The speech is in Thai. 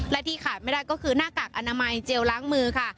และที่ขาดไม่ได้ก็คือหน้ากากอนามัยเจลล้างมือค่ะ